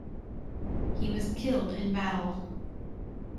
He was killed in battle.